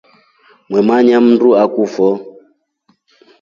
Mwemanya mndu akuafo.